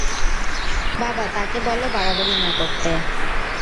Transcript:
বাবা, তাকে বলো বাড়াবাড়ি না করতে।